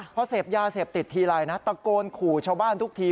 พอเสพยาเสพติดทีไรนะตะโกนขู่ชาวบ้านทุกที